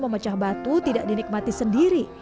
memecah batu tidak dinikmati sendiri